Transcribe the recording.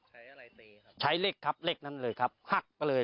ใช้อะไรตีครับใช้เลขทับเลขนั้นเลยครับหักไปเลย